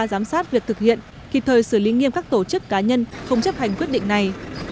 giám sát việc thực hiện kịp thời xử lý nghiêm các tổ chức cá nhân không chấp hành quyết định này